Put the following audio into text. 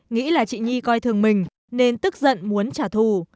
nghĩ là chị nhi coi thường mình nên tức giận muốn trả thù